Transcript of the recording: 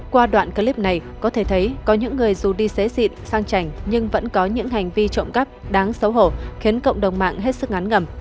qua đoạn clip này có thể thấy có những người dù đi xế sịn sang trành nhưng vẫn có những hành vi trộm cắp đáng xấu hổ khiến cộng đồng mạng hết sức ngán ngầm